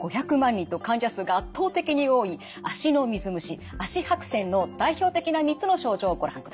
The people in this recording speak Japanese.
人と患者数が圧倒的に多い足の水虫足白癬の代表的な３つの症状をご覧ください。